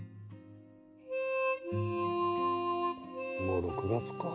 もう６月か。